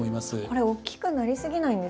これ大きくなりすぎないんですね。